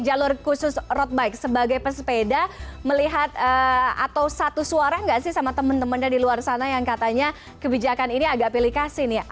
jalur khusus road bike sebagai pesepeda melihat atau satu suara nggak sih sama temen temennya di luar sana yang katanya kebijakan ini agak pilih kasih nih